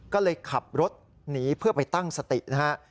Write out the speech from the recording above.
ก็เลยขับรถหนีเพื่อไปตั้งสตินะฮะ